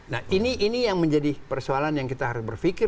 nah ini yang menjadi persoalan yang kita harus berpikir